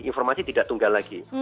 informasi tidak tunggal lagi